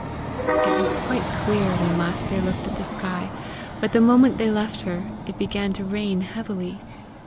It was quite clear when last they looked at the sky, but the moment they left her, it began to rain heavily.